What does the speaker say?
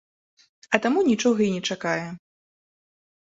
А таму нічога і не чакае.